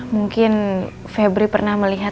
mungkin febri pernah melihat